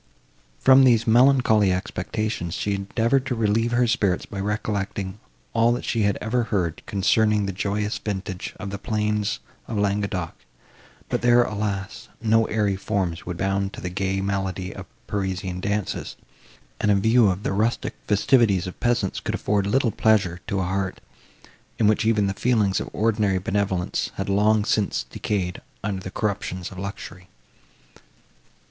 From these melancholy expectations she endeavoured to relieve her spirits by recollecting all that she had ever heard, concerning the joyous vintage of the plains of Languedoc; but there, alas! no airy forms would bound to the gay melody of Parisian dances, and a view of the rustic festivities of peasants could afford little pleasure to a heart, in which even the feelings of ordinary benevolence had long since decayed under the corruptions of luxury.